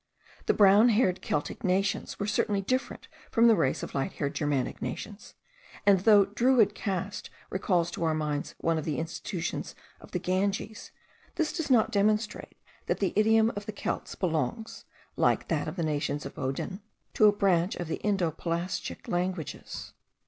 The brown haired Celtic nations were certainly different from the race of the light haired Germanic nations; and though the Druid caste recalls to our minds one of the institutions of the Ganges, this does not demonstrate that the idiom of the Celts belongs, like that of the nations of Odin, to a branch of the Indo Pelasgic languages.